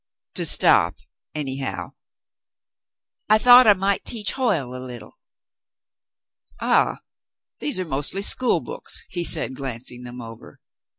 *'To stop — anyhow — I thought I might teach Hoyie a little." "Ah, these are mostly school books," he said, glancing them over.